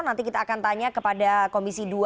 nanti kita akan tanya kepada komisi dua